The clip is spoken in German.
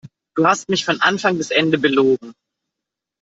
Du hast mich von Anfang bis Ende belogen.